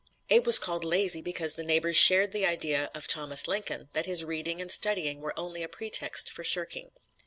Abe was called lazy because the neighbors shared the idea of Thomas Lincoln, that his reading and studying were only a pretext for shirking.